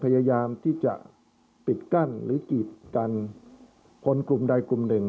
พยายามที่จะปิดกั้นหรือกีดกันคนกลุ่มใดกลุ่มหนึ่ง